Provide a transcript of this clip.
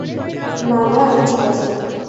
না, না, আমি ঠিক আছি।